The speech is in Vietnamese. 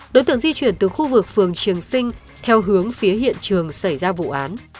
đối tượng di chuyển từ khu vực phường trường sinh theo hướng phía hiện trường xảy ra vụ án